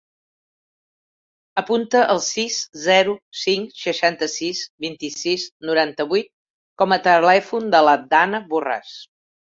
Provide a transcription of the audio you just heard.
Apunta el sis, zero, cinc, seixanta-sis, vint-i-sis, noranta-vuit com a telèfon de la Dana Borras.